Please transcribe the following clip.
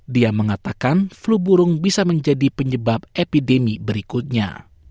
dia mengatakan flu burung bisa menjadi penyebab epidemi berikutnya